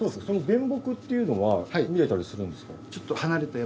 原木っていうのは見れたりするんですか？